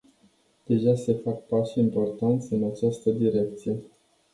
Deja se fac pași importanți în această direcție.